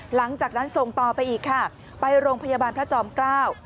หลังจากนั้นส่งต่อไปอีกค่ะไปโรงพยาบาลพระจอมเกล้า